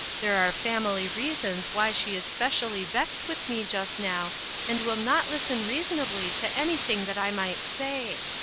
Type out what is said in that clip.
There are family reasons why she is specially vexed with me just now, and will not listen reasonabty to anything that I might say.